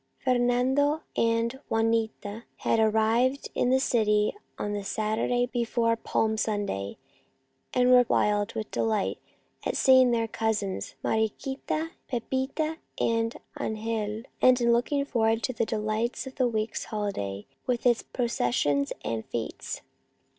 Fernando and Juanita had arrived in the city on the Saturday before Palm Sunday, and were wild with delight at seeing their cousins, Mariquita, Pepita, and Angel, and in looking forward to the delights of the week's holiday with its processions and fetes.